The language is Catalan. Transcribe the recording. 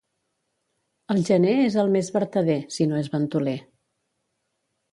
El gener és el mes vertader, si no és ventoler.